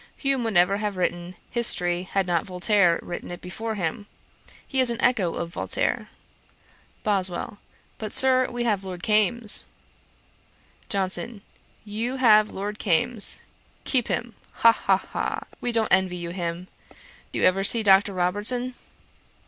Hume would never have written History, had not Voltaire written it before him. He is an echo of Voltaire.' BOSWELL. 'But, Sir, we have Lord Kames.' JOHNSON. 'You have Lord Kames. Keep him; ha, ha, ha! We don't envy you him. Do you ever see Dr. Robertson?'